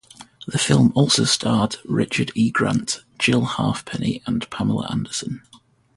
The film also starred Richard E. Grant, Jill Halfpenny and Pamela Anderson.